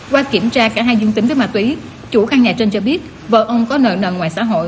qua kiểm tra cả hai dương tính với ma túy chủ căn nhà trên cho biết vợ ông có nợ nần ngoài xã hội